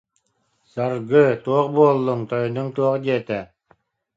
Саргы, туох буоллуҥ, тойонуҥ туох диэтэ